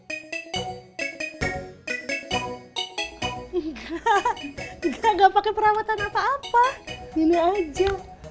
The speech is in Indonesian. enggak enggak enggak pakai perawatan apa apa ini aja